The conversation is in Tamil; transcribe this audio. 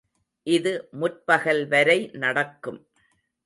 இது முற்பகல் வரை நடக்கும்.